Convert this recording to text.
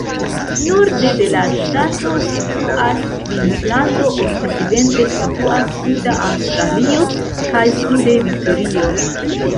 Norde de la ŝtato situas Kvinslando, okcidente situas Suda Aŭstralio, kaj sude Viktorio.